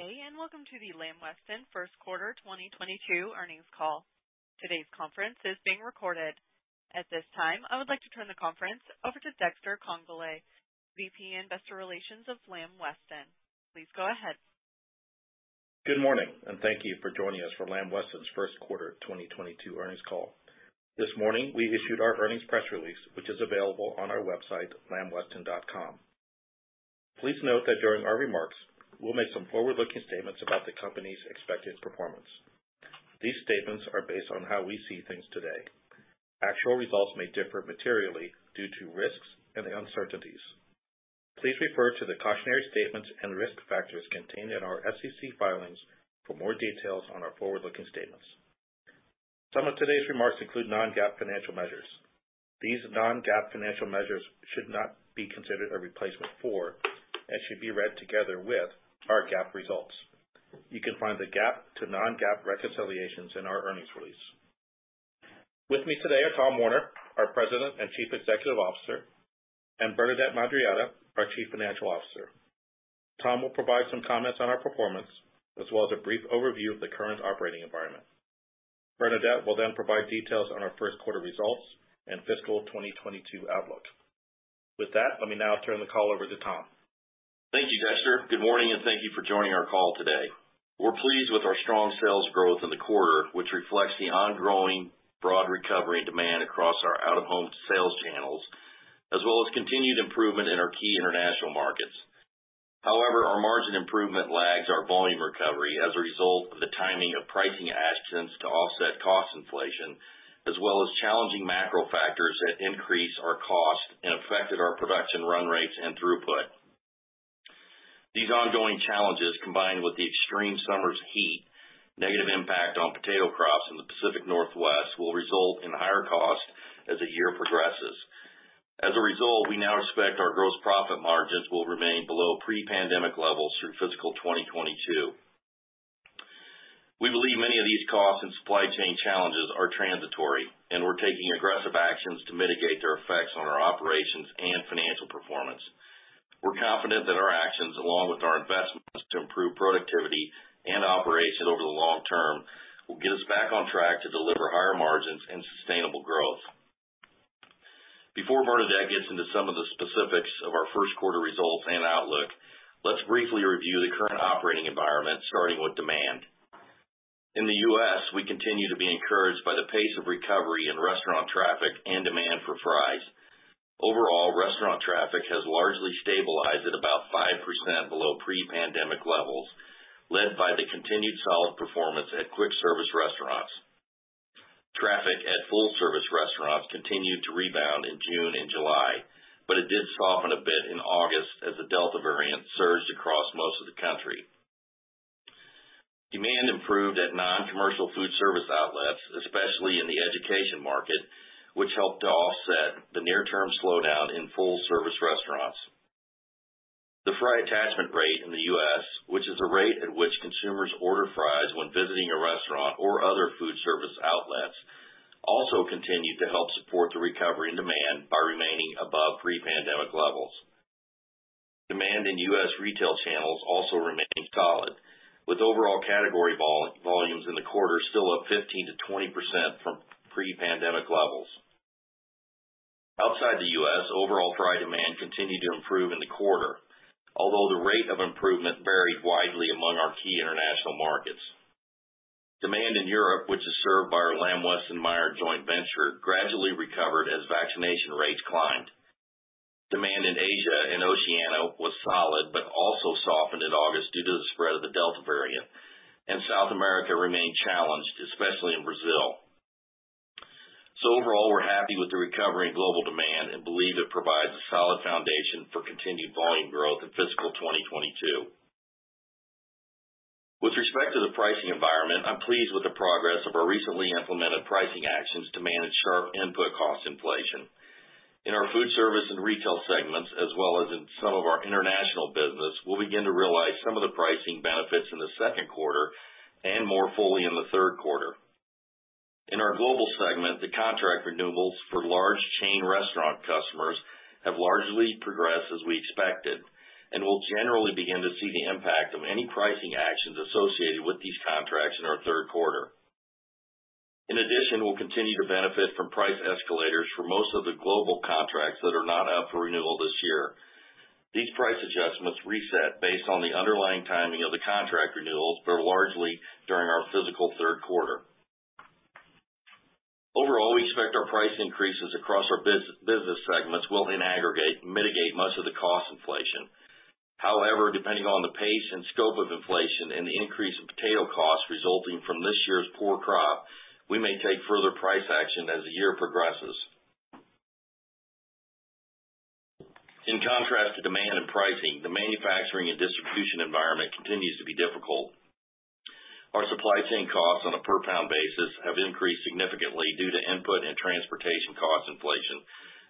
Welcome to the Lamb Weston First Quarter 2022 Earnings Call. Today's conference is being recorded. At this time, I would like to turn the conference over to Dexter Congbalay, VP Investor Relations of Lamb Weston. Please go ahead. Good morning, and thank you for joining us for Lamb Weston's first quarter 2022 earnings call. This morning, we issued our earnings press release, which is available on our website, lambweston.com. Please note that during our remarks, we'll make some forward-looking statements about the company's expected performance. These statements are based on how we see things today. Actual results may differ materially due to risks and uncertainties. Please refer to the cautionary statements and risk factors contained in our SEC filings for more details on our forward-looking statements. Some of today's remarks include non-GAAP financial measures. These non-GAAP financial measures should not be considered a replacement for and should be read together with our GAAP results. You can find the GAAP to non-GAAP reconciliations in our earnings release. With me today are Tom Werner, our President and Chief Executive Officer, and Bernadette Madarieta, our Chief Financial Officer. Tom will provide some comments on our performance, as well as a brief overview of the current operating environment. Bernadette will provide details on our first quarter results and fiscal 2022 outlook. With that, let me now turn the call over to Tom. Thank you, Dexter. Good morning, and thank you for joining our call today. We're pleased with our strong sales growth in the quarter, which reflects the ongoing broad recovery and demand across our out-of-home sales channels, as well as continued improvement in our key international markets. However, our margin improvement lags our volume recovery as a result of the timing of pricing actions to offset cost inflation, as well as challenging macro factors that increase our cost and affected our production run rates and throughput. These ongoing challenges, combined with the extreme summer's heat negative impact on potato crops in the Pacific Northwest, will result in higher costs as the year progresses. As a result, we now expect our gross profit margins will remain below pre-pandemic levels through fiscal 2022. We believe many of these costs and supply chain challenges are transitory, and we're taking aggressive actions to mitigate their effects on our operations and financial performance. We're confident that our actions, along with our investments to improve productivity and operation over the long term, will get us back on track to deliver higher margins and sustainable growth. Before Bernadette gets into some of the specifics of our first quarter results and outlook, let's briefly review the current operating environment, starting with demand. In the U.S., we continue to be encouraged by the pace of recovery in restaurant traffic and demand for fries. Overall, restaurant traffic has largely stabilized at about 5% below pre-pandemic levels, led by the continued solid performance at quick service restaurants. Traffic at full service restaurants continued to rebound in June and July, but it did soften a bit in August as the Delta variant surged across most of the country. Demand improved at non-commercial food service outlets, especially in the education market, which helped to offset the near term slowdown in full service restaurants. The fry attachment rate in the U.S., which is the rate at which consumers order fries when visiting a restaurant or other food service outlets, also continued to help support the recovery and demand by remaining above pre-pandemic levels. Demand in U.S. retail channels also remained solid, with overall category volumes in the quarter still up 15%-20% from pre-pandemic levels. Outside the U.S., overall fry demand continued to improve in the quarter, although the rate of improvement varied widely among our key international markets. Demand in Europe, which is served by our Lamb Weston / Meijer joint venture, gradually recovered as vaccination rates climbed. Demand in Asia and Oceania was solid but also softened in August due to the spread of the Delta variant, and South America remained challenged, especially in Brazil. Overall, we're happy with the recovery in global demand and believe it provides a solid foundation for continued volume growth in fiscal 2022. With respect to the pricing environment, I'm pleased with the progress of our recently implemented pricing actions to manage sharp input cost inflation. In our Foodservice and Retail segments, as well as in some of our international business, we'll begin to realize some of the pricing benefits in the second quarter and more fully in the third quarter. In our Global segment, the contract renewals for large chain restaurant customers have largely progressed as we expected, and we'll generally begin to see the impact of any pricing actions associated with these contracts in our third quarter. In addition, we'll continue to benefit from price escalators for most of the global contracts that are not up for renewal this year. These price adjustments reset based on the underlying timing of the contract renewals, though largely during our fiscal third quarter. Overall, we expect our price increases across our business segments will, in aggregate, mitigate most of the cost inflation. However, depending on the pace and scope of inflation and the increase in potato costs resulting from this year's poor crop, we may take further price action as the year progresses. In contrast to demand and pricing, the manufacturing and distribution environment continues to be difficult. Our supply chain costs on a per pound basis have increased significantly due to input and transportation cost inflation,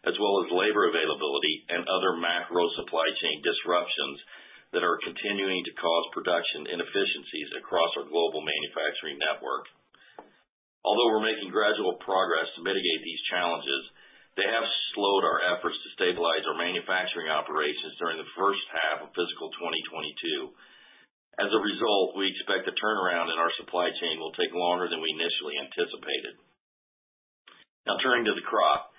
as well as labor availability and other macro supply chain disruptions that are continuing to cause production inefficiencies across our global manufacturing network. Although we're making gradual progress to mitigate these challenges, they have slowed our efforts to stabilize our manufacturing operations during the first half of fiscal 2022. As a result, we expect the turnaround in our supply chain will take longer than we initially anticipated. Now turning to the crop.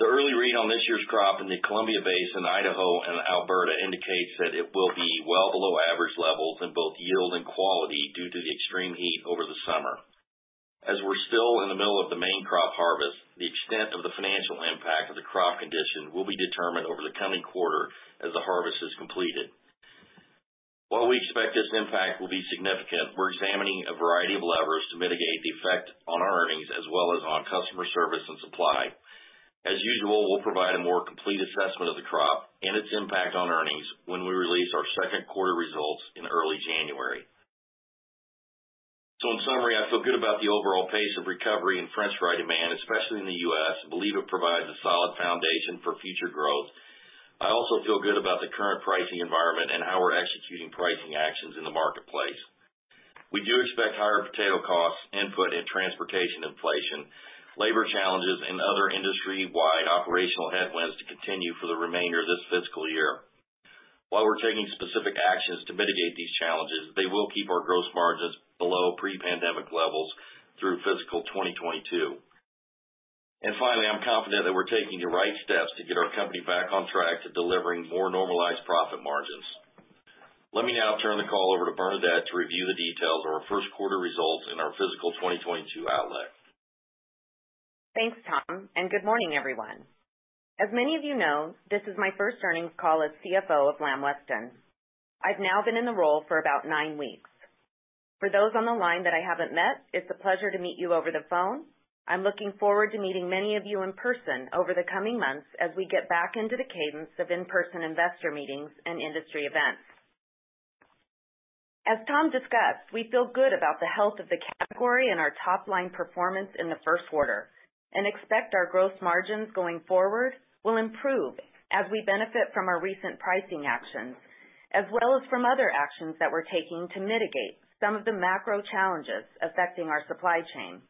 The early read on this year's crop in the Columbia Basin in Idaho and Alberta indicates that it will be well below average levels in both yield and quality due to the extreme heat over the summer. As we're still in the middle of the main crop harvest, the extent of the financial impact of the crop condition will be determined over the coming quarter as the harvest is completed. While we expect this impact will be significant, we're examining a variety of levers to mitigate the effect on our earnings as well as on customer service and supply. As usual, we'll provide a more complete assessment of the crop and its impact on earnings when we release our second quarter results in early January. In summary, I feel good about the overall pace of recovery in french fry demand, especially in the U.S., and believe it provides a solid foundation for future growth. I also feel good about the current pricing environment and how we're executing pricing actions in the marketplace. We do expect higher potato costs, input and transportation inflation, labor challenges, and other industry-wide operational headwinds to continue for the remainder of this fiscal year. While we're taking specific actions to mitigate these challenges, they will keep our gross margins below pre-pandemic levels through fiscal 2022. Finally, I'm confident that we're taking the right steps to get our company back on track to delivering more normalized profit margins. Let me now turn the call over to Bernadette to review the details on our first quarter results and our fiscal 2022 outlook. Thanks, Tom, and good morning, everyone. As many of you know, this is my first earnings call as CFO of Lamb Weston. I've now been in the role for about nine weeks. For those on the line that I haven't met, it's a pleasure to meet you over the phone. I'm looking forward to meeting many of you in person over the coming months as we get back into the cadence of in-person investor meetings and industry events. As Tom discussed, we feel good about the health of the category and our top-line performance in the first quarter, and expect our gross margins going forward will improve as we benefit from our recent pricing actions, as well as from other actions that we're taking to mitigate some of the macro challenges affecting our supply chain.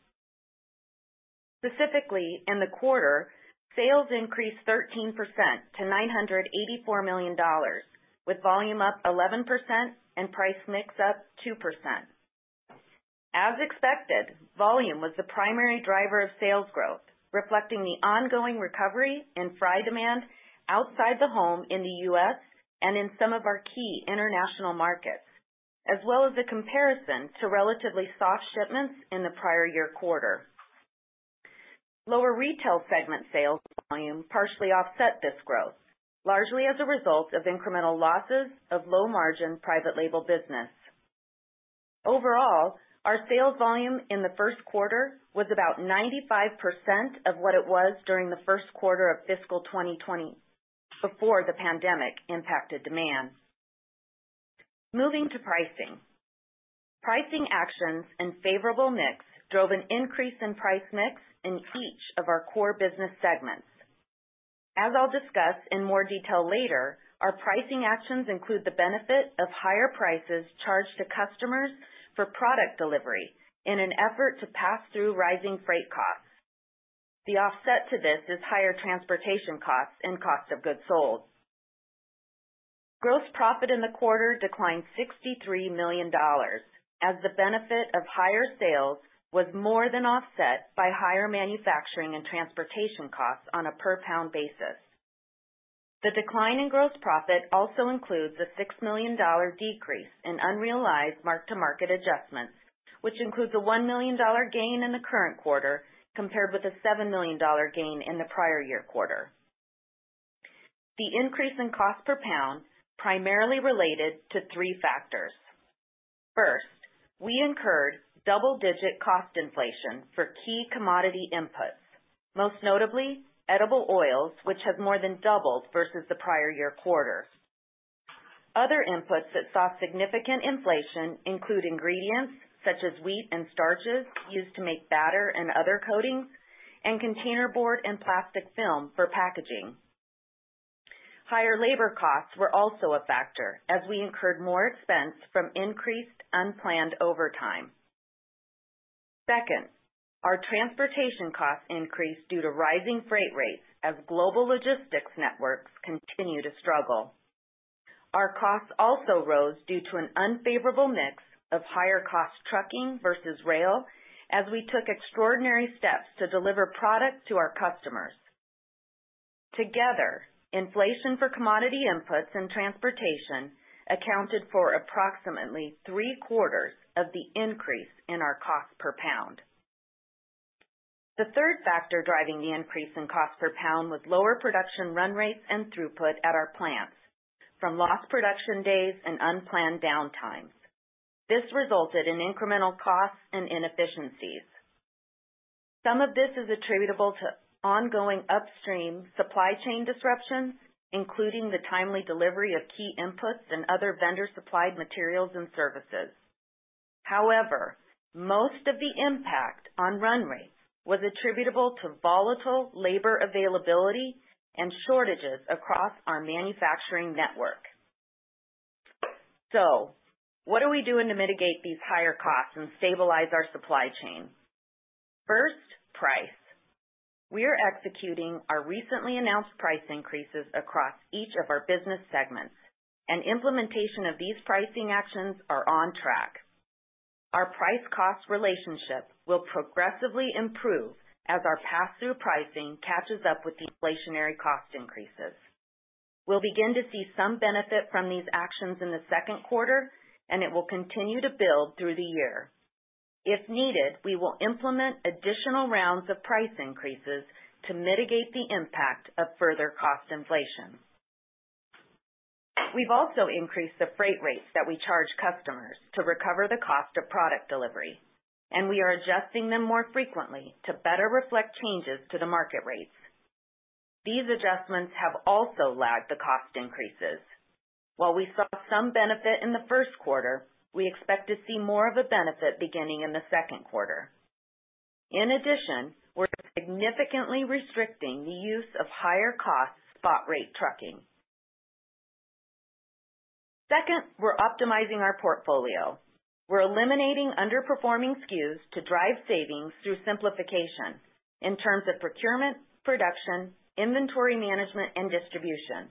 Specifically, in the quarter, sales increased 13% to $984 million, with volume up 11% and price mix up 2%. As expected, volume was the primary driver of sales growth, reflecting the ongoing recovery in fry demand outside the home in the U.S. and in some of our key international markets, as well as the comparison to relatively soft shipments in the prior year quarter. Lower Retail segment sales volume partially offset this growth, largely as a result of incremental losses of low-margin private label business. Overall, our sales volume in the first quarter was about 95% of what it was during the first quarter of fiscal 2020, before the pandemic impacted demand. Moving to pricing. Pricing actions and favorable mix drove an increase in price mix in each of our core business segments. As I'll discuss in more detail later, our pricing actions include the benefit of higher prices charged to customers for product delivery in an effort to pass through rising freight costs. The offset to this is higher transportation costs and cost of goods sold. Gross profit in the quarter declined $63 million, as the benefit of higher sales was more than offset by higher manufacturing and transportation costs on a per-pound basis. The decline in gross profit also includes a $6 million decrease in unrealized mark-to-market adjustments, which includes a $1 million gain in the current quarter, compared with a $7 million gain in the prior year quarter. The increase in cost per pound primarily related to three factors. First, we incurred double-digit cost inflation for key commodity inputs, most notably edible oils, which have more than doubled versus the prior year quarter. Other inputs that saw significant inflation include ingredients such as wheat and starches used to make batter and other coatings, and container board and plastic film for packaging. Higher labor costs were also a factor, as we incurred more expense from increased unplanned overtime. Second, our transportation costs increased due to rising freight rates as global logistics networks continue to struggle. Our costs also rose due to an unfavorable mix of higher cost trucking versus rail as we took extraordinary steps to deliver product to our customers. Together, inflation for commodity inputs and transportation accounted for approximately three-quarters of the increase in our cost per pound. The third factor driving the increase in cost per pound was lower production run rates and throughput at our plants from lost production days and unplanned downtime. This resulted in incremental costs and inefficiencies. Some of this is attributable to ongoing upstream supply chain disruptions, including the timely delivery of key inputs and other vendor-supplied materials and services. However, most of the impact on run rates was attributable to volatile labor availability and shortages across our manufacturing network. What are we doing to mitigate these higher costs and stabilize our supply chain? First, price. We are executing our recently announced price increases across each of our business segments, and implementation of these pricing actions are on track. Our price-cost relationship will progressively improve as our pass-through pricing catches up with the inflationary cost increases. We'll begin to see some benefit from these actions in the second quarter, and it will continue to build through the year. If needed, we will implement additional rounds of price increases to mitigate the impact of further cost inflation. We've also increased the freight rates that we charge customers to recover the cost of product delivery, and we are adjusting them more frequently to better reflect changes to the market rates. These adjustments have also lagged the cost increases. While we saw some benefit in the first quarter, we expect to see more of a benefit beginning in the second quarter. In addition, we're significantly restricting the use of higher cost spot rate trucking. Second, we're optimizing our portfolio. We're eliminating underperforming SKUs to drive savings through simplification in terms of procurement, production, inventory management, and distribution.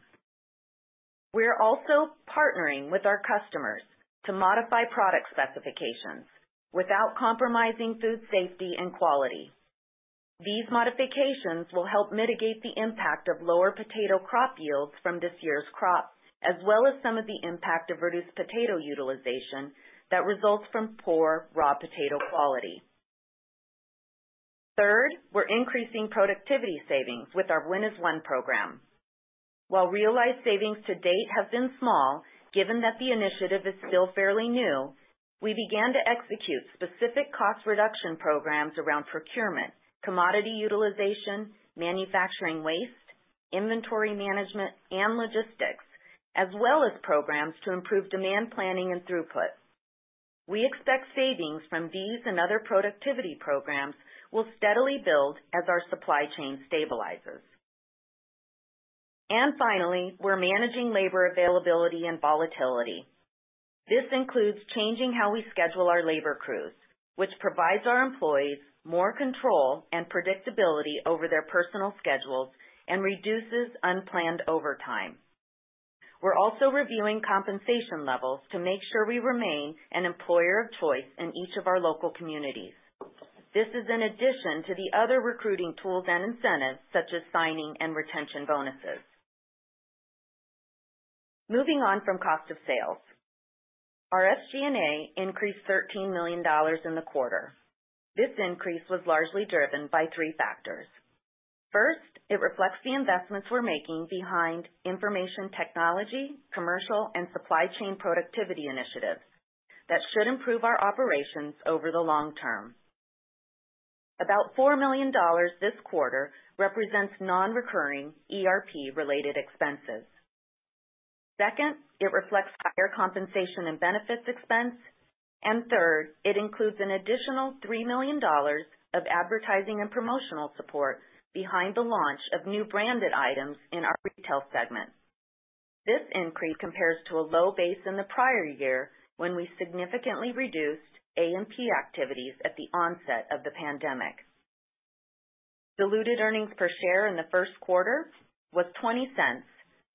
We are also partnering with our customers to modify product specifications without compromising food safety and quality. These modifications will help mitigate the impact of lower potato crop yields from this year's crop, as well as some of the impact of reduced potato utilization that results from poor raw potato quality. Third, we're increasing productivity savings with our Focus to Win program. While realized savings to date have been small, given that the initiative is still fairly new, we began to execute specific cost reduction programs around procurement, commodity utilization, manufacturing waste, inventory management, and logistics, as well as programs to improve demand planning and throughput. Finally, we're managing labor availability and volatility. This includes changing how we schedule our labor crews, which provides our employees more control and predictability over their personal schedules and reduces unplanned overtime. We're also reviewing compensation levels to make sure we remain an employer of choice in each of our local communities. This is in addition to the other recruiting tools and incentives, such as signing and retention bonuses. Moving on from cost of sales. Our SG&A increased $13 million in the quarter. This increase was largely driven by three factors. First, it reflects the investments we're making behind information technology, commercial, and supply chain productivity initiatives that should improve our operations over the long term. About $4 million this quarter represents non-recurring ERP-related expenses. Second, it reflects higher compensation and benefits expense. Third, it includes an additional $3 million of advertising and promotional support behind the launch of new branded items in our Retail segment. This increase compares to a low base in the prior year when we significantly reduced A&P activities at the onset of the pandemic. Diluted earnings per share in the first quarter was $0.20,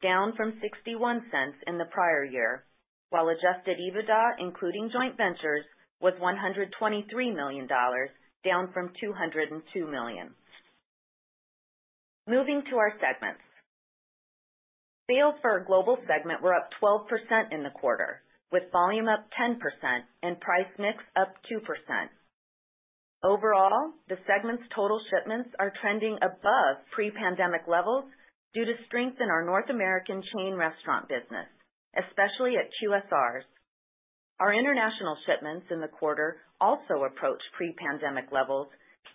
down from $0.61 in the prior year, while adjusted EBITDA, including joint ventures, was $123 million, down from $202 million. Moving to our segments. Sales for our Global segment were up 12% in the quarter, with volume up 10% and price mix up 2%. Overall, the segment's total shipments are trending above pre-pandemic levels due to strength in our North American chain restaurant business, especially at QSRs. Our international shipments in the quarter also approached pre-pandemic levels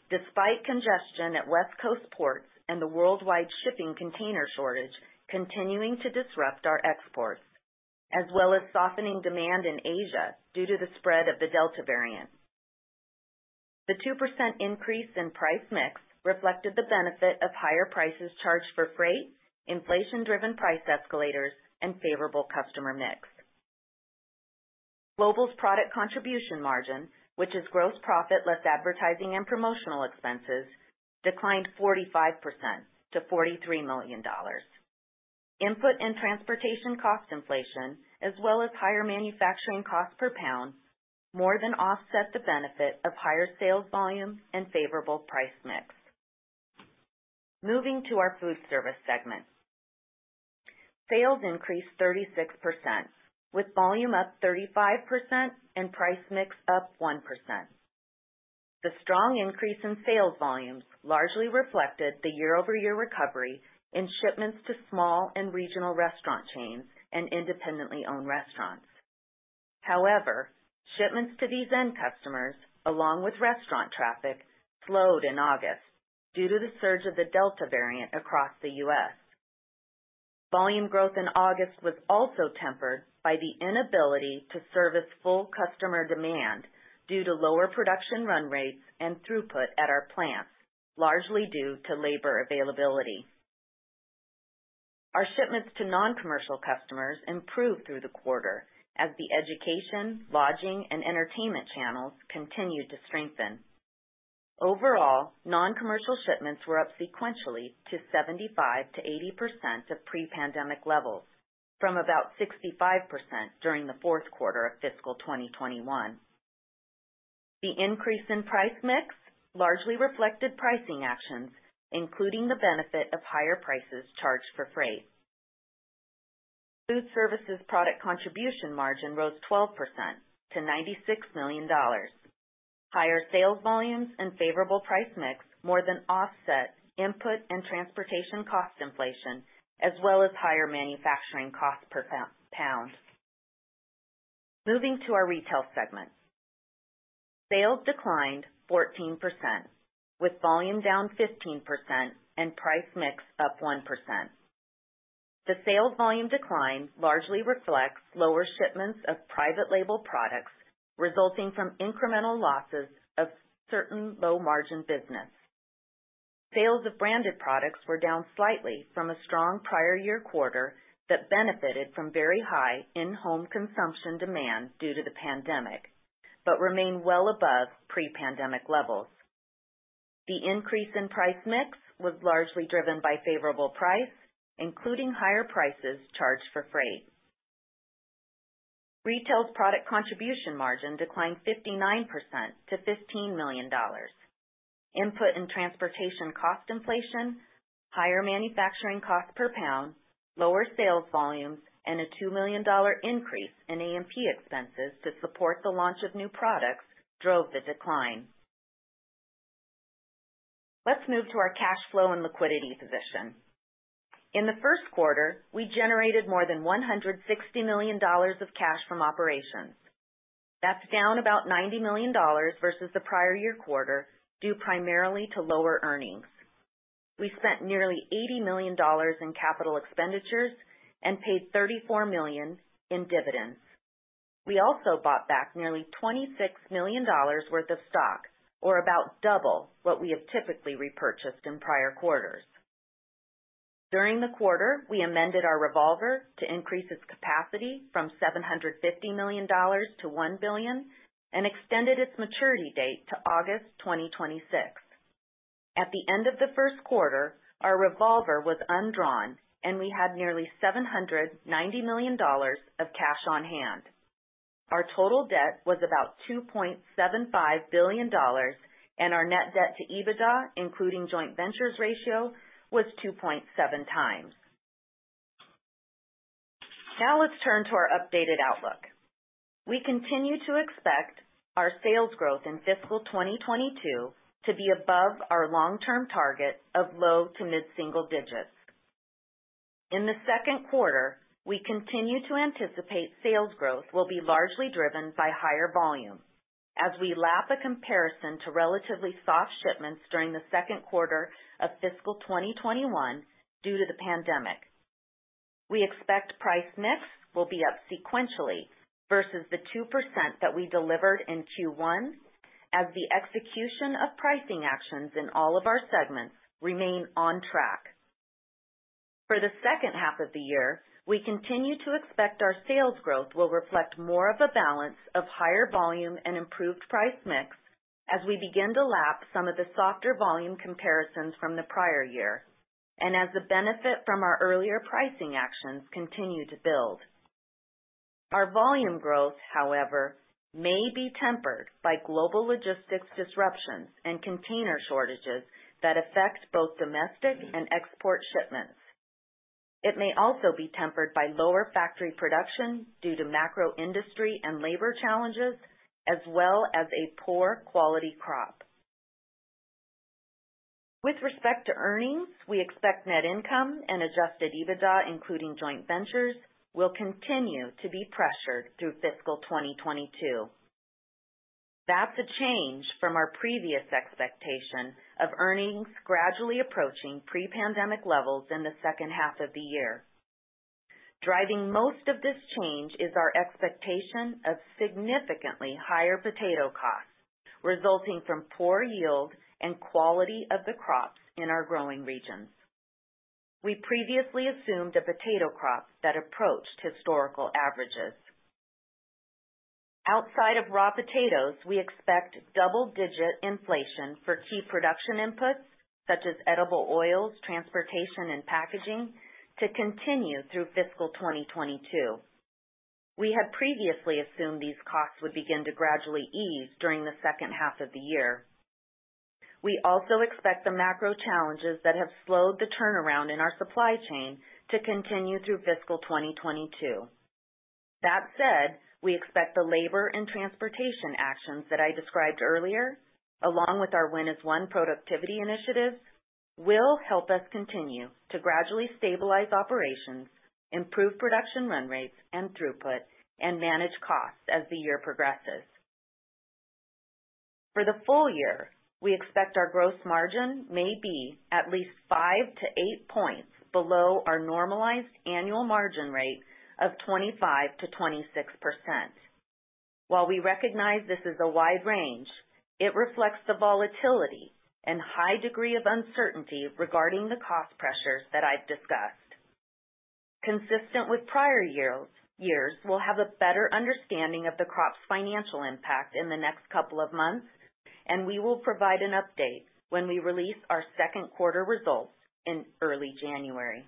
despite congestion at West Coast ports and the worldwide shipping container shortage continuing to disrupt our exports, as well as softening demand in Asia due to the spread of the Delta variant. The 2% increase in price mix reflected the benefit of higher prices charged for freight, inflation-driven price escalators, and favorable customer mix. Global's product contribution margin, which is gross profit less advertising and promotional expenses, declined 45% to $43 million. Input and transportation cost inflation, as well as higher manufacturing cost per pound, more than offset the benefit of higher sales volume and favorable price mix. Moving to our Foodservice segment. Sales increased 36%, with volume up 35% and price mix up 1%. The strong increase in sales volumes largely reflected the year-over-year recovery in shipments to small and regional restaurant chains and independently owned restaurants. Shipments to these end customers, along with restaurant traffic, slowed in August due to the surge of the Delta variant across the U.S. Volume growth in August was also tempered by the inability to service full customer demand due to lower production run rates and throughput at our plants, largely due to labor availability. Our shipments to non-commercial customers improved through the quarter as the education, lodging, and entertainment channels continued to strengthen. Overall, non-commercial shipments were up sequentially to 75%-80% of pre-pandemic levels, from about 65% during the fourth quarter of fiscal 2021. The increase in price mix largely reflected pricing actions, including the benefit of higher prices charged for freight. Foodservice product contribution margin rose 12% to $96 million. Higher sales volumes and favorable price mix more than offset input and transportation cost inflation, as well as higher manufacturing cost per pound. Moving to our Retail segment. Sales declined 14%, with volume down 15% and price mix up 1%. The sales volume decline largely reflects lower shipments of private label products resulting from incremental losses of certain low-margin business. Sales of branded products were down slightly from a strong prior year quarter that benefited from very high in-home consumption demand due to the pandemic, but remain well above pre-pandemic levels. The increase in price mix was largely driven by favorable price, including higher prices charged for freight. Retail's product contribution margin declined 59% to $15 million. Input and transportation cost inflation, higher manufacturing cost per pound, lower sales volumes, and a $2 million increase in A&P expenses to support the launch of new products drove the decline. Let's move to our cash flow and liquidity position. In the first quarter, we generated more than $160 million of cash from operations. That's down about $90 million versus the prior year quarter, due primarily to lower earnings. We spent nearly $80 million in capital expenditures and paid $34 million in dividends. We also bought back nearly $26 million worth of stock, or about double what we have typically repurchased in prior quarters. During the quarter, we amended our revolver to increase its capacity from $750 million to $1 billion and extended its maturity date to August 2026. At the end of the first quarter, our revolver was undrawn, and we had nearly $790 million of cash on hand. Our total debt was about $2.75 billion, and our net debt to EBITDA, including joint ventures ratio, was 2.7x. Let's turn to our updated outlook. We continue to expect our sales growth in fiscal 2022 to be above our long-term target of low to mid-single digits. In the second quarter, we continue to anticipate sales growth will be largely driven by higher volume as we lap a comparison to relatively soft shipments during the second quarter of fiscal 2021 due to the pandemic. We expect price mix will be up sequentially versus the 2% that we delivered in Q1 as the execution of pricing actions in all of our segments remain on track. For the second half of the year, we continue to expect our sales growth will reflect more of a balance of higher volume and improved price mix as we begin to lap some of the softer volume comparisons from the prior year, and as the benefit from our earlier pricing actions continue to build. Our volume growth, however, may be tempered by global logistics disruptions and container shortages that affect both domestic and export shipments. It may also be tempered by lower factory production due to macro industry and labor challenges, as well as a poor quality crop. With respect to earnings, we expect net income and adjusted EBITDA, including joint ventures, will continue to be pressured through fiscal 2022. That's a change from our previous expectation of earnings gradually approaching pre-pandemic levels in the second half of the year. Driving most of this change is our expectation of significantly higher potato costs resulting from poor yield and quality of the crops in our growing regions. We previously assumed a potato crop that approached historical averages. Outside of raw potatoes, we expect double-digit inflation for key production inputs such as edible oils, transportation, and packaging to continue through fiscal 2022. We had previously assumed these costs would begin to gradually ease during the second half of the year. We also expect the macro challenges that have slowed the turnaround in our supply chain to continue through fiscal 2022. That said, we expect the labor and transportation actions that I described earlier, along with our Focus to Win productivity initiatives, will help us continue to gradually stabilize operations, improve production run rates and throughput, and manage costs as the year progresses. For the full year, we expect our gross margin may be at least 5 to 8 points below our normalized annual margin rate of 25%-26%. While we recognize this is a wide range, it reflects the volatility and high degree of uncertainty regarding the cost pressures that I've discussed. Consistent with prior years, we'll have a better understanding of the crop's financial impact in the next couple of months, and we will provide an update when we release our second quarter results in early January.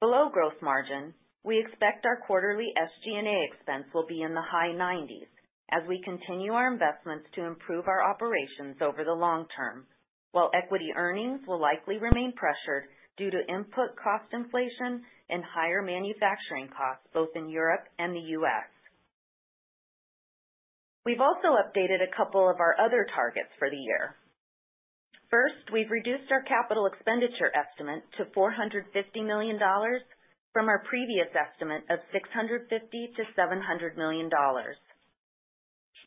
Below gross margin, we expect our quarterly SGA expense will be in the high 90s as we continue our investments to improve our operations over the long term, while equity earnings will likely remain pressured due to input cost inflation and higher manufacturing costs, both in Europe and the U.S. We've also updated a couple of our other targets for the year. First, we've reduced our capital expenditure estimate to $450 million from our previous estimate of $650 million-$700 million.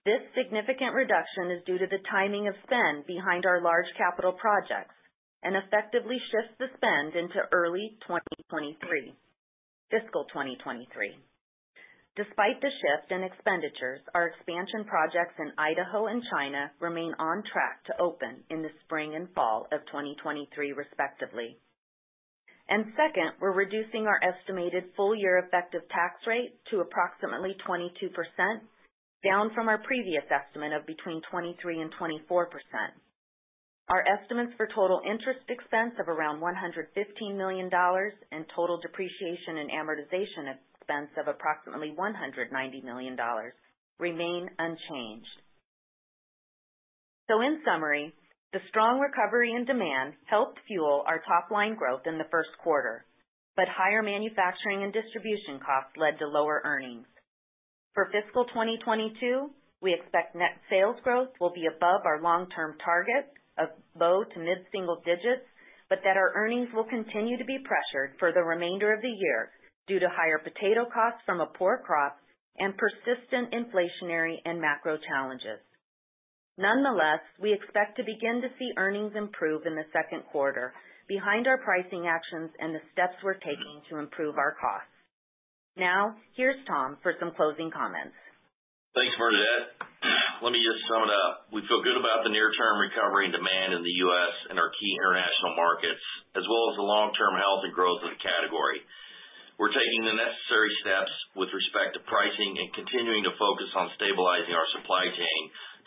This significant reduction is due to the timing of spend behind our large capital projects and effectively shifts the spend into early 2023, fiscal 2023. Despite the shift in expenditures, our expansion projects in Idaho and China remain on track to open in the spring and fall of 2023, respectively. Second, we're reducing our estimated full-year effective tax rate to approximately 22%, down from our previous estimate of between 23% and 24%. Our estimates for total interest expense of around $115 million and total depreciation and amortization expense of approximately $190 million remain unchanged. In summary, the strong recovery and demand helped fuel our top line growth in the first quarter, but higher manufacturing and distribution costs led to lower earnings. For fiscal 2022, we expect net sales growth will be above our long-term target of low to mid-single digits, but that our earnings will continue to be pressured for the remainder of the year due to higher potato costs from a poor crop and persistent inflationary and macro challenges. Nonetheless, we expect to begin to see earnings improve in the second quarter behind our pricing actions and the steps we're taking to improve our costs. Now, here's Tom for some closing comments. Thanks, Bernadette. Let me just sum it up. We feel good about the near-term recovery and demand in the U.S. and our key international markets, as well as the long-term health and growth of the category. We're taking the necessary steps with respect to pricing and continuing to focus on stabilizing our supply chain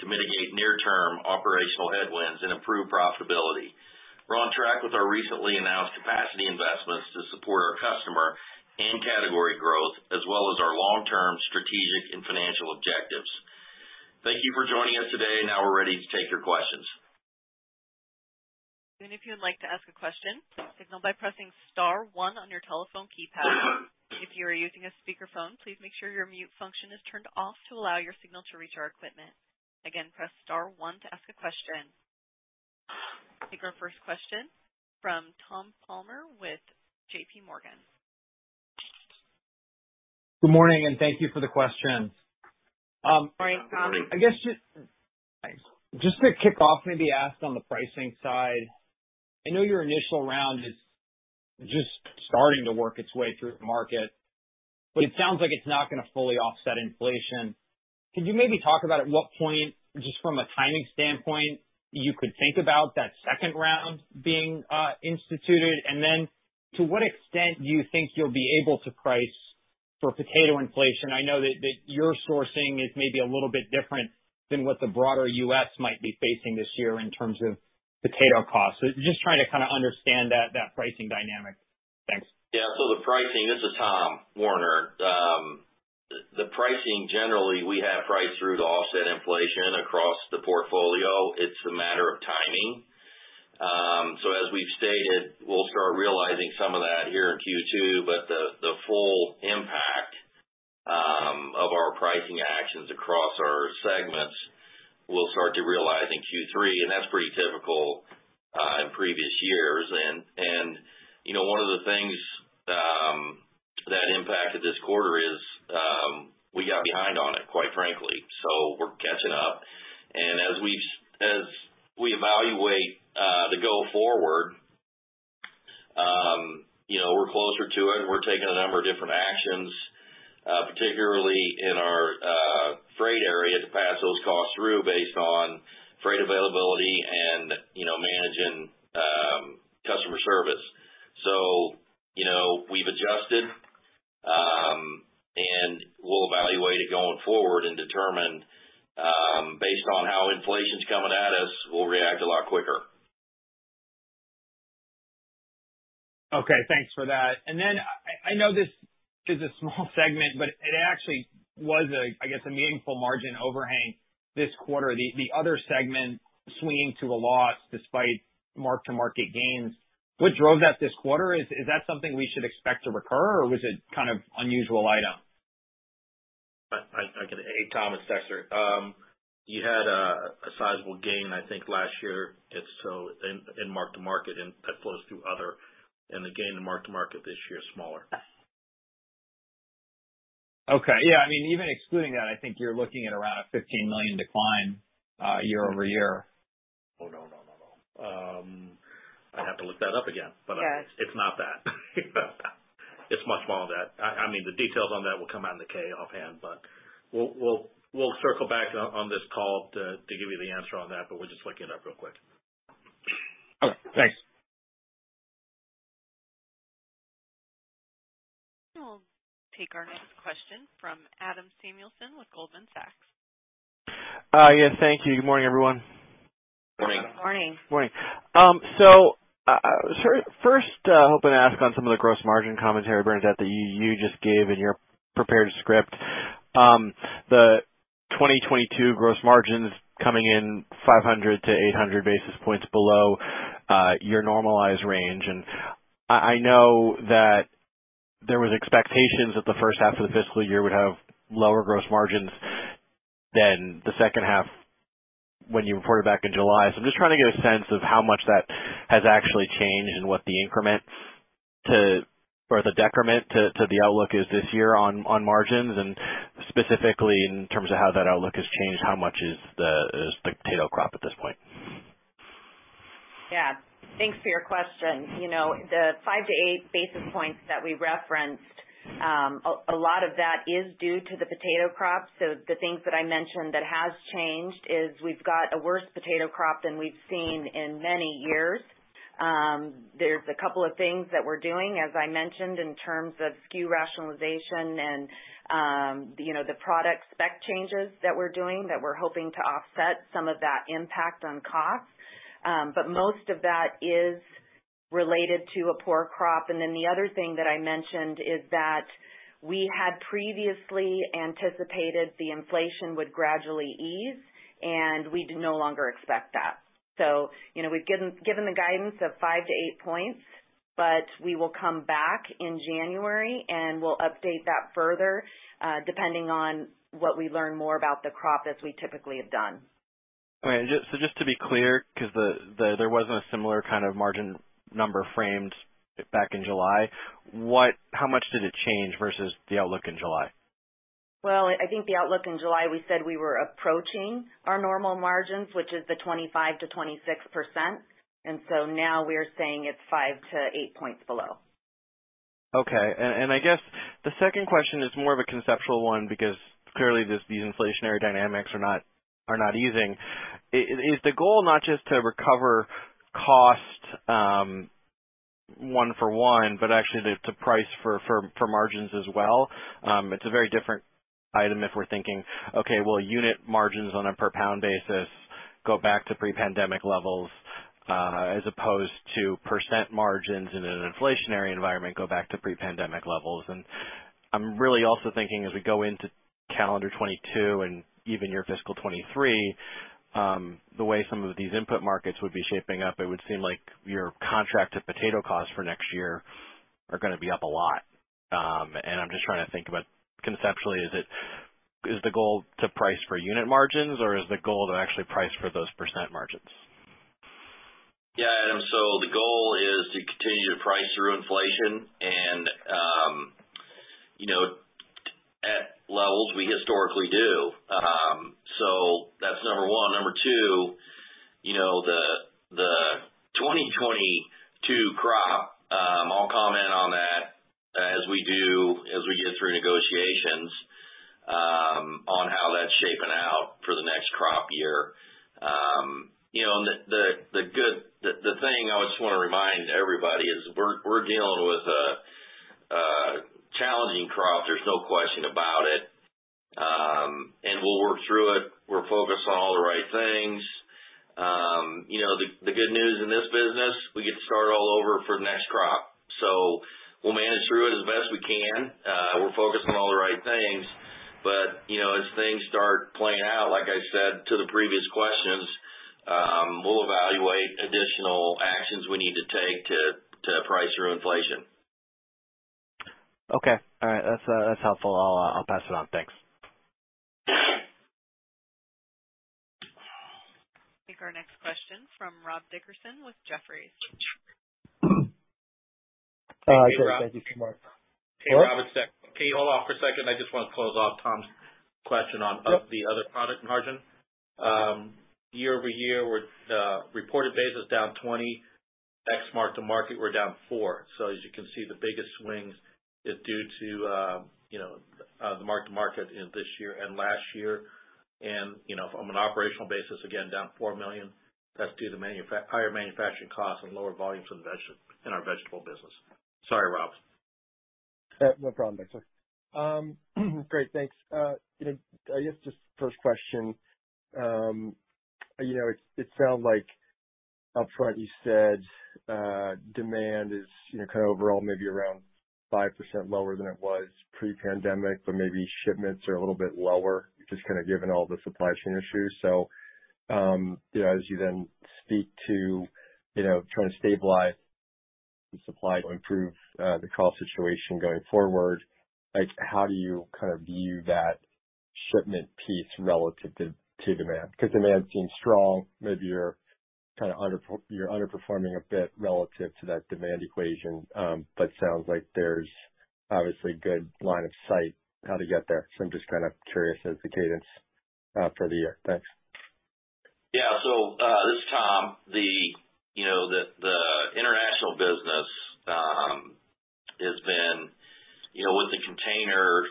to mitigate near-term operational headwinds and improve profitability. We're on track with our recently announced capacity investments to support our customer and category growth, as well as our long-term strategic and financial objectives. Thank you for joining us today. Now we're ready to take your questions. If you would like to ask a question, signal by pressing star one on your telephone keypad. If you are using a speakerphone, please make sure your mute function is turned off to allow your signal to reach our equipment. Again, press star one to ask a question. Take our first question from Tom Palmer with JPMorgan. Good morning. Thank you for the questions. Morning, Tom. I guess just to kick off, maybe ask on the pricing side, I know your initial round is just starting to work its way through the market, but it sounds like it's not gonna fully offset inflation. Could you maybe talk about at what point, just from a timing standpoint, you could think about that second round being instituted? Then to what extent do you think you'll be able to price for potato inflation? I know that your sourcing is maybe a little bit different than what the broader U.S. might be facing this year in terms of potato costs. Just trying to kind of understand that pricing dynamic. Thanks. Yeah. This is Tom Werner. The pricing, generally, we have priced through to offset inflation across the portfolio. It's a matter of timing. As we've stated, we'll start realizing some of that here in Q2, but the full impact of our pricing actions across our segments, we'll start to realize in Q3, and that's pretty typical in previous years. One of the things that impacted this quarter is we got behind on it, quite frankly. We're catching up, and as we evaluate the go forward, we're closer to it. We're taking a number of different actions, particularly in our freight area, to pass those costs through based on freight availability and managing customer service. We've adjusted, and we'll evaluate it going forward and determine based on how inflation's coming at us, we'll react a lot quicker. Okay. Thanks for that. I know this is a small segment, but it actually was, I guess, a meaningful margin overhang this quarter, the other segment swinging to a loss despite mark-to-market gains. What drove that this quarter? Is that something we should expect to recur, or was it kind of unusual item? Hey, Tom. It's Dexter. You had a sizable gain, I think, last year in mark-to-market, and that flows through other, and the gain in mark-to-market this year is smaller. Okay. Yeah. Even excluding that, I think you're looking at around a $15 million decline year-over-year. Oh, no, no. I'll look that up again. Yeah. It's not that. It's much more than that. The details on that will come out in the 10-K offhand, but we'll circle back on this call to give you the answer on that, but we'll just look it up real quick. Okay, thanks. We'll take our next question from Adam Samuelson with Goldman Sachs. Yes, thank you. Good morning, everyone. Morning. Morning. Morning. First, hoping to ask on some of the gross margin commentary, Bernadette, that you just gave in your prepared script. The 2022 gross margins coming in 500-800 basis points below your normalized range, and I know that there was expectations that the first half of the fiscal year would have lower gross margins than the second half when you reported back in July. I'm just trying to get a sense of how much that has actually changed and what the increment to, or the decrement to the outlook is this year on margins, and specifically in terms of how that outlook has changed, how much is the potato crop at this point? Thanks for your question. The 5 to 8 basis points that we referenced, a lot of that is due to the potato crop. The things that I mentioned that has changed is we've got a worse potato crop than we've seen in many years. There's a couple of things that we're doing, as I mentioned, in terms of SKU rationalization and the product spec changes that we're doing, that we're hoping to offset some of that impact on cost. Most of that is related to a poor crop. The other thing that I mentioned is that we had previously anticipated the inflation would gradually ease, and we no longer expect that. We've given the guidance of 5 to 8 points, but we will come back in January, and we'll update that further, depending on what we learn more about the crop as we typically have done. Okay. Just to be clear, because there wasn't a similar kind of margin number framed back in July, how much did it change versus the outlook in July? Well, I think the outlook in July, we said we were approaching our normal margins, which is the 25%-26%. Now we're saying it's 5 points-8 points below. Okay. I guess the second question is more of a conceptual one because clearly these inflationary dynamics are not easing. Is the goal not just to recover cost one for one, but actually to price for margins as well? It's a very different item if we're thinking, okay, will unit margins on a per pound basis go back to pre-pandemic levels, as opposed to percent margins in an inflationary environment go back to pre-pandemic levels. I'm really also thinking as we go into calendar 2022 and even your fiscal 2023, the way some of these input markets would be shaping up, it would seem like your contracted potato costs for next year are going to be up a lot. I'm just trying to think about conceptually, is the goal to price for unit margins or is the goal to actually price for those percent margins? Yeah, Adam. The goal is to continue to price through inflation and at levels we historically do. That's number one. Number two, the 2022 crop, I'll comment on that as we get through negotiations on how that's shaping out for the next crop year. The thing I just want to remind everybody is we're dealing with a challenging crop. There's no question about it. We'll work through it. We're focused on all the right things. The good news in this business, we get to start all over for the next crop. We'll manage through it as best we can. We're focused on all the right things, but as things start playing out, like I said to the previous questions, we'll evaluate additional actions we need to take to price through inflation. Okay. All right. That's helpful. I'll pass it on. Thanks. Take our next question from Rob Dickerson with Jefferies. Thank you. Hey, Robert, it's Dexter. Hello? Can you hold on for a second? I just want to close off Tom's question. Yep the other product margin. Year-over-year, reported base is down $20, ex mark-to-market, we're down $4. As you can see, the biggest swings is due to the mark-to-market this year and last year. From an operational basis, again, down $4 million. That's due to higher manufacturing costs and lower volumes in our vegetable business. Sorry, Rob. No problem, Dexter. Great. Thanks. I guess just first question, it sounded like upfront you said demand is kind of overall maybe around 5% lower than it was pre-pandemic, but maybe shipments are a little bit lower, just given all the supply chain issues. As you then speak to trying to stabilize the supply to improve the cost situation going forward, how do you view that shipment piece relative to demand? Because demand seems strong. Maybe you're underperforming a bit relative to that demand equation, but sounds like there's obviously good line of sight how to get there. I'm just curious as to cadence for the year. Thanks. This is Tom. The international business has been with the container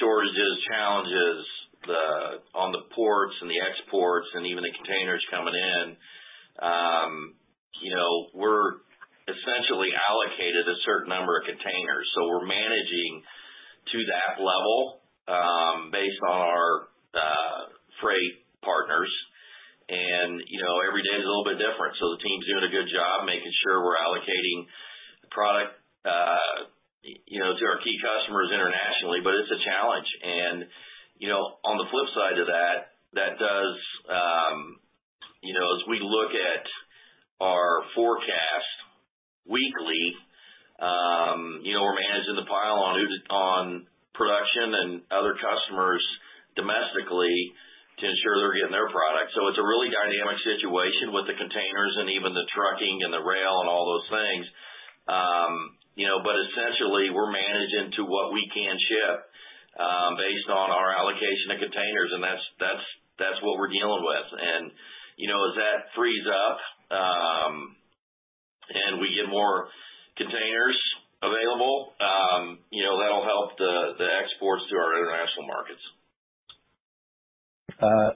shortages, challenges on the ports and the exports and even the containers coming in. We're essentially allocated a certain number of containers, so we're managing to that level based on our freight partners. Every day is a little bit different, so the team's doing a good job making sure we're allocating product to our key customers internationally. It's a challenge. On the flip side of that, as we look at our forecast weekly, we're managing the pile on production and other customers domestically to ensure they're getting their product. It's a really dynamic situation with the containers and even the trucking and the rail and all those things. Essentially, we're managing to what we can ship based on our allocation of containers, and that's what we're dealing with. As that frees up, and we get more containers available, that'll help the exports to our international markets.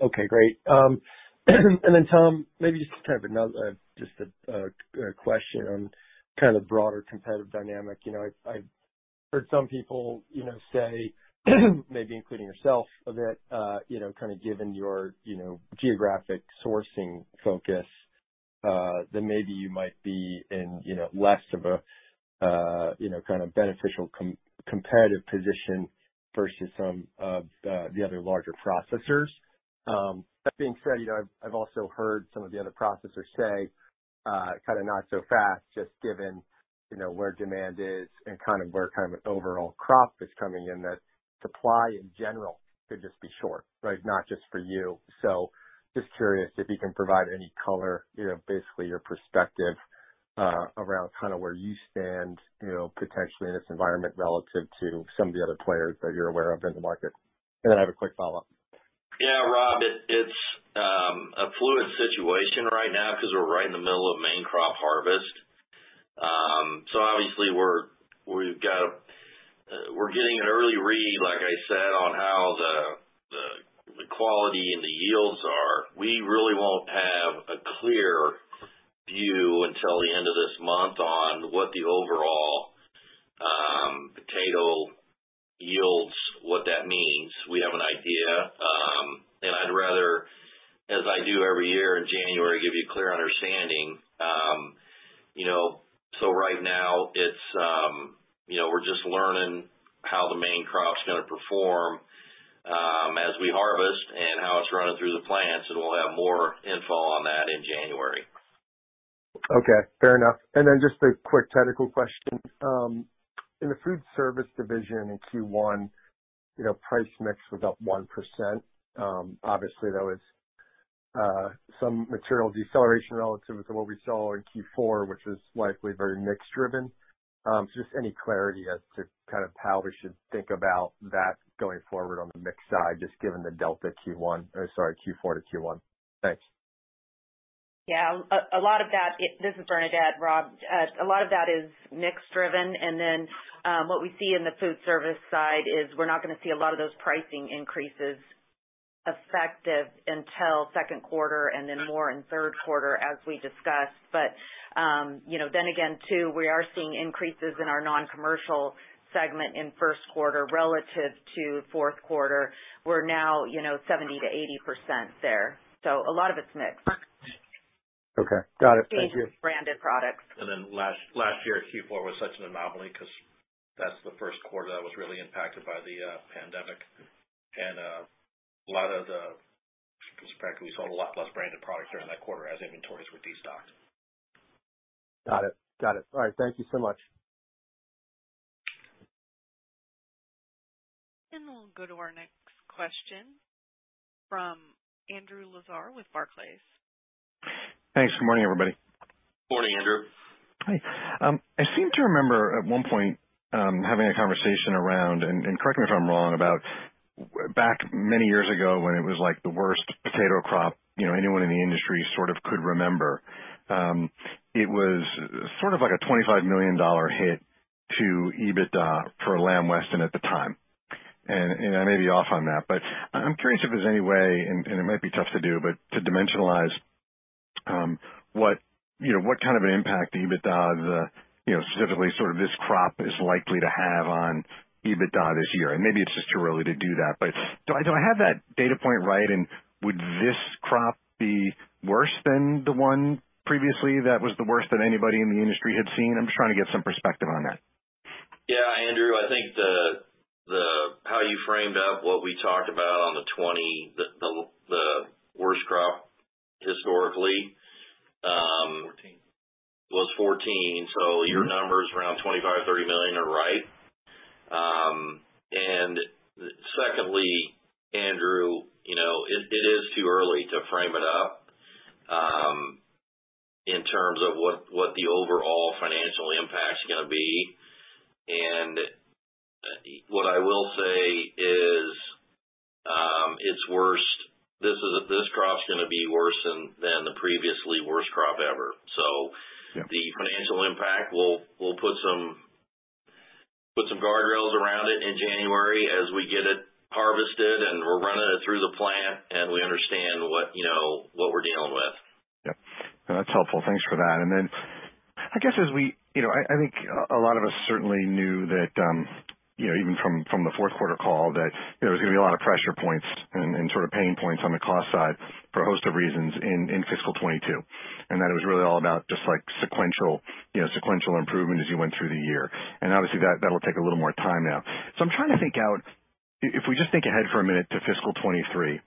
Okay, great. Then Tom, maybe just another question on kind of broader competitive dynamic. I've heard some people say, maybe including yourself, that given your geographic sourcing focus, that maybe you might be in less of a kind of beneficial competitive position versus some of the other larger processors. That being said, I've also heard some of the other processors say, kind of not so fast, just given where demand is and where overall crop is coming in, that supply in general could just be short, not just for you. Just curious if you can provide any color, basically your perspective, around where you stand potentially in this environment relative to some of the other players that you're aware of in the market. Then I have a quick follow-up. Yeah, Rob, it's a fluid situation right now because we're right in the middle of main crop harvest. Obviously, we're getting an early read, like I said, on how the quality and the yields are. We really won't have a clear view until the end of this month on what the overall potato yields, what that means. We have an idea. I'd rather, as I do every year in January, give you a clear understanding. Right now, we're just learning how the main crop's going to perform as we harvest and how it's running through the plants, and we'll have more info on that in January. Okay, fair enough. Just a quick technical question. In the Foodservice division in Q1, price mix was up 1%. Obviously, that was some material deceleration relative to what we saw in Q4, which was likely very mix driven. Just any clarity as to kind of how we should think about that going forward on the mix side, just given the delta Q4 to Q1. Thanks. Yeah. This is Bernadette, Rob. A lot of that is mix driven. What we see in the Foodservice side is we're not going to see a lot of those pricing increases effective until second quarter and then more in third quarter, as we discussed. Again, too, we are seeing increases in our non-commercial segment in first quarter relative to fourth quarter. We're now 70%-80% there. A lot of it's mix. Okay. Got it. Thank you. Branded products. Last year at Q4 was such an anomaly because that's the first quarter that was really impacted by the pandemic. Because frankly, we sold a lot less branded product during that quarter as inventories were destocked. Got it. All right. Thank you so much. We'll go to our next question from Andrew Lazar with Barclays. Thanks. Good morning, everybody. Morning, Andrew. Hi. I seem to remember at one point having a conversation around, and correct me if I'm wrong, about back many years ago when it was the worst potato crop anyone in the industry sort of could remember. It was sort of like a $25 million hit to EBITDA for Lamb Weston at the time, and I may be off on that. I'm curious if there's any way, and it might be tough to do, but to dimensionalize what kind of an impact, specifically sort of this crop is likely to have on EBITDA this year. Maybe it's just too early to do that. Do I have that data point right, and would this crop be worse than the one previously that was the worst that anybody in the industry had seen? I'm just trying to get some perspective on that. Yeah, Andrew, I think how you framed up what we talked about on the worst crop historically- 2014 was 2014. Your numbers around $25 million, $30 million are right. Secondly, Andrew, it is too early to frame it up in terms of what the overall financial impact is going to be. What I will say is this crop is going to be worse than the previously worst crop ever. Yeah. The financial impact, we'll put some guardrails around it in January as we get it harvested and we're running it through the plant and we understand what we're dealing with. Yes. No, that's helpful. Thanks for that. I think a lot of us certainly knew that, even from the fourth quarter call, that there was going to be a lot of pressure points and sort of pain points on the cost side for a host of reasons in fiscal 2022, and that it was really all about just sequential improvement as you went through the year. Obviously, that'll take a little more time now. I'm trying to think out, if we just think ahead for a minute to fiscal 2023,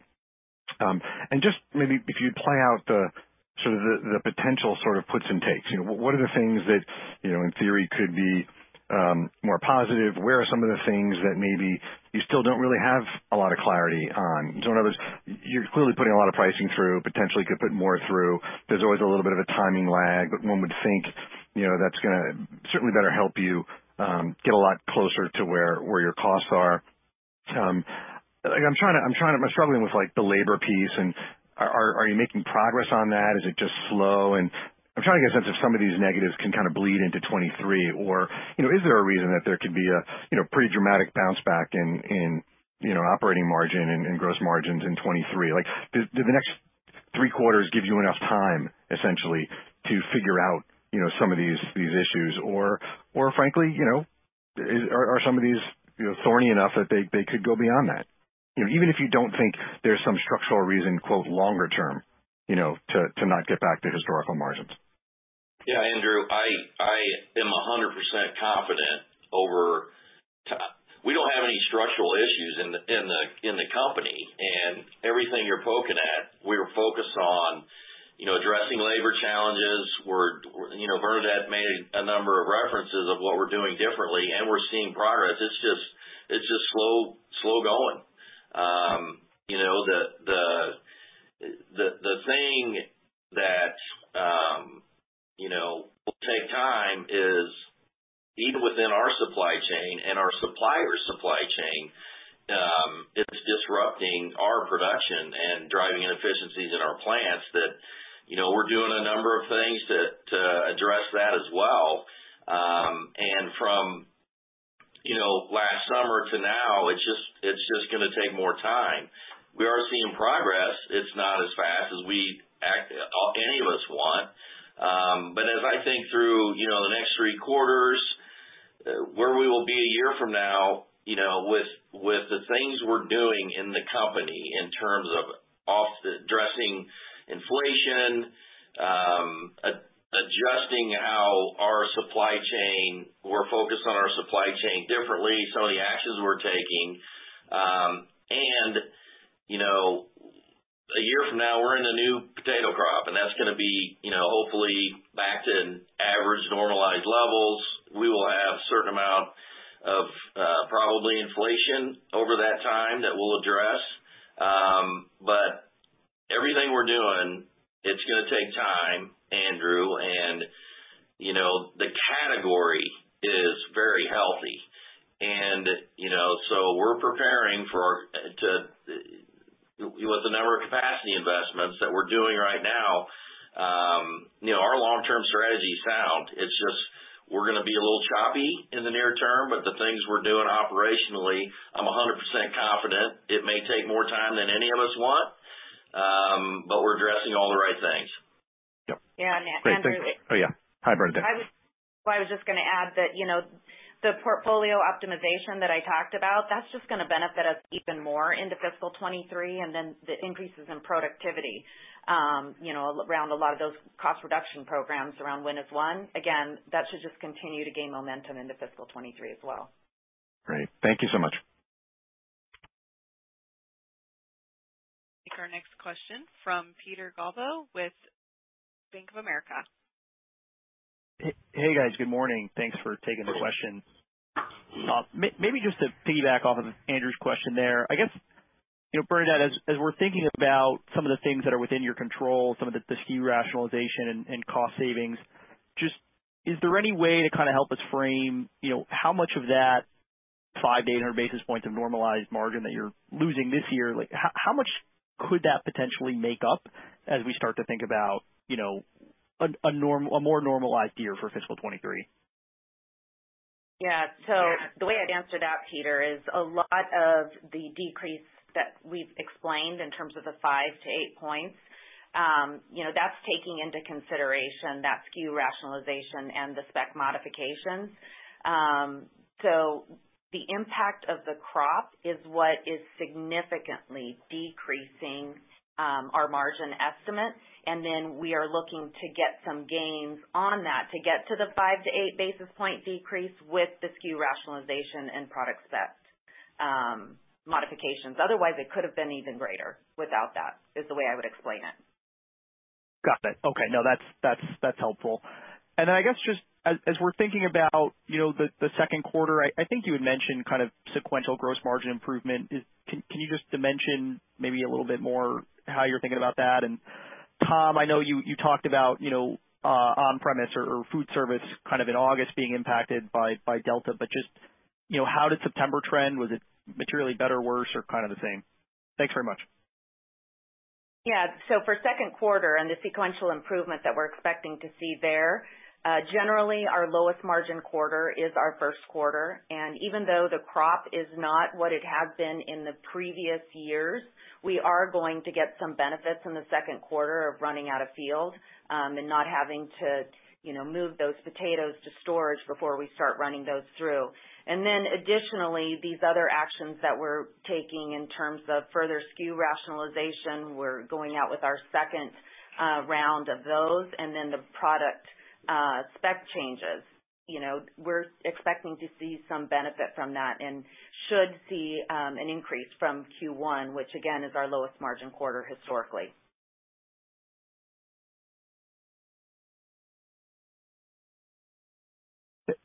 and just maybe if you play out the potential sort of puts and takes. What are the things that in theory could be more positive? Where are some of the things that maybe you still don't really have a lot of clarity on? In other words, you're clearly putting a lot of pricing through, potentially could put more through. There's always a little bit of a timing lag, but one would think that's going to certainly better help you get a lot closer to where your costs are. I'm struggling with the labor piece, and are you making progress on that? Is it just slow? I'm trying to get a sense if some of these negatives can kind of bleed into 2023 or is there a reason that there could be a pretty dramatic bounce back in operating margin and gross margins in 2023? Do the next three quarters give you enough time, essentially, to figure out some of these issues? Frankly, are some of these thorny enough that they could go beyond that? Even if you don't think there's some structural reason, quote, "longer term," to not get back to historical margins. Yeah, Andrew, I am 100% confident We don't have any structural issues in the company and everything you're poking at, we're focused on addressing labor challenges. Bernadette made a number of references of what we're doing differently, and we're seeing progress. It's just slow going. The thing that will take time is even within our supply chain and our supplier's supply chain, it's disrupting our production and driving inefficiencies in our plants that we're doing a number of things to address that as well. From last summer to now, it's just going to take more time. We are seeing progress. It's not as fast as any of us want. As I think through the next three quarters, where we will be a year from now with the things we're doing in the company in terms of addressing inflation, We're focused on our supply chain differently, some of the actions we're taking. A year from now, we're in a new potato crop, and that's going to be hopefully back to average normalized levels. We will have certain amount of probably inflation over that time that we'll address. Everything we're doing, it's going to take time, Andrew, and the category is very healthy. We're preparing with a number of capacity investments that we're doing right now. Our long-term strategy is sound. It's just we're going to be a little choppy in the near term, but the things we're doing operationally, I'm 100% confident it may take more time than any of us want, but we're addressing all the right things. Yep. Yeah. Andrew- Great. Thanks. Oh, yeah. Hi, Bernadette. I was just going to add that the portfolio optimization that I talked about, that's just going to benefit us even more into fiscal 2023, and then the increases in productivity around a lot of those cost reduction programs around Focus to Win. Again, that should just continue to gain momentum into fiscal 2023 as well. Great. Thank you so much. Take our next question from Peter Galbo with Bank of America. Hey, guys. Good morning. Thanks for taking the question. Maybe just to piggyback off of Andrew's question there. I guess, Bernadette, as we're thinking about some of the things that are within your control, some of the SKU rationalization and cost savings, just is there any way to kind of help us frame how much of that 500-800 basis points of normalized margin that you're losing this year? How much could that potentially make up as we start to think about a more normalized year for fiscal 2023? Yeah, the way I'd answer that, Peter, is a lot of the decrease that we've explained in terms of the 5 to 8 points, that's taking into consideration that SKU rationalization and the spec modifications. The impact of the crop is what is significantly decreasing our margin estimate, we are looking to get some gains on that to get to the 5 to 8 basis point decrease with the SKU rationalization and product set modifications. Otherwise, it could have been even greater without that, is the way I would explain it. Got it. Okay. No, that's helpful. I guess just as we're thinking about the second quarter, I think you had mentioned sequential gross margin improvement. Can you just dimension maybe a little bit more how you're thinking about that? Tom, I know you talked about on-premise or Foodservice kind of in August being impacted by Delta, but just how did September trend? Was it materially better or worse or kind of the same? Thanks very much. For second quarter and the sequential improvement that we're expecting to see there, generally our lowest margin quarter is our first quarter. Even though the crop is not what it has been in the previous years, we are going to get some benefits in the second quarter of running out of field, and not having to move those potatoes to storage before we start running those through. Additionally, these other actions that we're taking in terms of further SKU rationalization, we're going out with our second round of those, and then the product spec changes. We're expecting to see some benefit from that and should see an increase from Q1, which again, is our lowest margin quarter historically.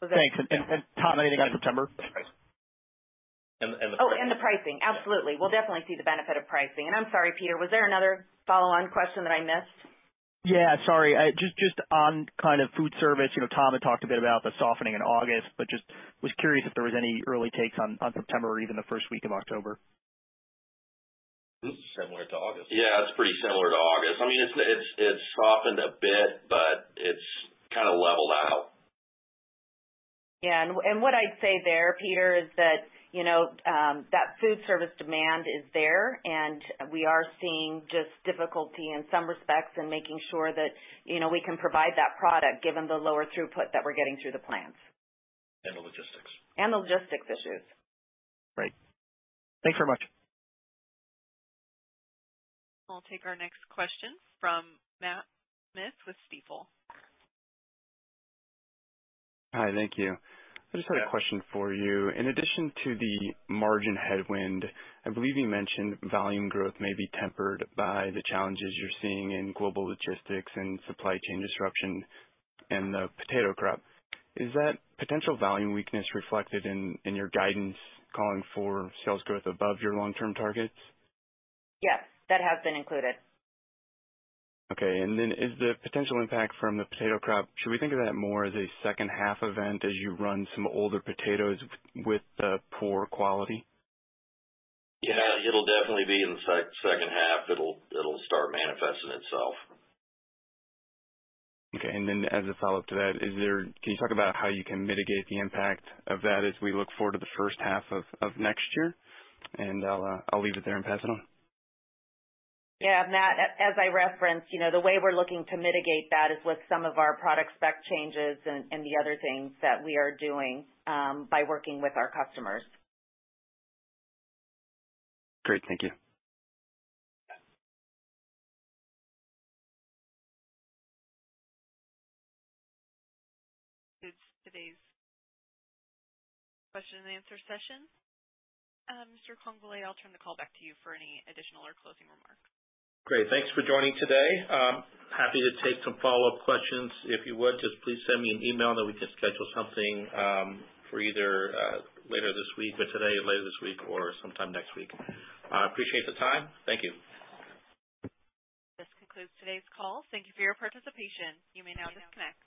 Thanks. Tom, anything on September? The pricing, absolutely. We'll definitely see the benefit of pricing. I'm sorry, Peter, was there another follow-on question that I missed? Yeah, sorry. Just on kind of Foodservice, Tom had talked a bit about the softening in August. Just was curious if there was any early takes on September or even the first week of October. Similar to August. Yeah, it's pretty similar to August. It's softened a bit, but it's kind of leveled out. Yeah. What I'd say there, Peter, is that Foodservice demand is there, and we are seeing just difficulty in some respects in making sure that we can provide that product given the lower throughput that we're getting through the plants. The logistics. The logistics issues. Great. Thanks very much. I'll take our next question from Matt Smith with Stifel. Hi. Thank you. I just had a question for you. In addition to the margin headwind, I believe you mentioned volume growth may be tempered by the challenges you're seeing in global logistics and supply chain disruption and the potato crop. Is that potential volume weakness reflected in your guidance calling for sales growth above your long-term targets? Yes, that has been included. Okay. Then is the potential impact from the potato crop, should we think of that more as a second half event as you run some older potatoes with the poor quality? Yeah, it'll definitely be in the second half it'll start manifesting itself. Okay, as a follow-up to that, can you talk about how you can mitigate the impact of that as we look forward to the first half of next year? I'll leave it there and pass it on. Yeah. Matt, as I referenced, the way we're looking to mitigate that is with some of our product spec changes and the other things that we are doing by working with our customers. Great. Thank you. Concludes today's question and answer session. Mr. Congbalay, I'll turn the call back to you for any additional or closing remarks. Great. Thanks for joining today. Happy to take some follow-up questions. If you would, just please send me an email that we can schedule something for either later this week, but today or later this week or sometime next week. I appreciate the time. Thank you. This concludes today's call. Thank you for your participation. You may now disconnect.